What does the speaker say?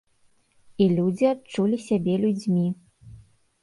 І людзі адчулі сябе людзьмі.